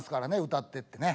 「歌って」ってね。